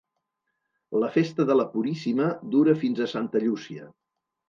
La festa de la Puríssima dura fins a Santa Llúcia.